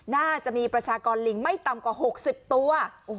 น่าจะมีประชากรลิงไม่ต่ำกว่า๖๐ตัว